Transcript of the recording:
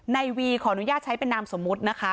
ในวีขออนุญาตใช้เป็นนามสมมุตินะคะ